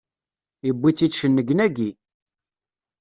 Yewwi-tt-id cennegnagi!